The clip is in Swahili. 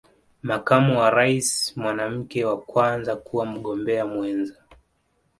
Makamu wa rais mwanamke wa Kwanza kuwa Mgombea Mwenza